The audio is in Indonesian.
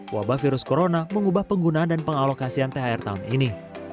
wabah virus corona mengubah penggunaan dan pengalokasian thr tahun ini